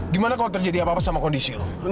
gimana kalau terjadi apa apa sama kondisi